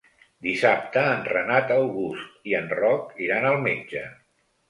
Dissabte en Renat August i en Roc iran al metge.